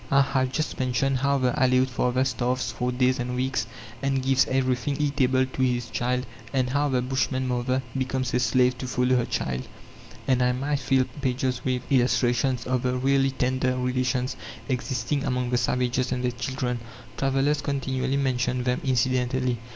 I have just mentioned how the Aleoute father starves for days and weeks, and gives everything eatable to his child; and how the Bushman mother becomes a slave to follow her child; and I might fill pages with illustrations of the really tender relations existing among the savages and their children. Travellers continually mention them incidentally.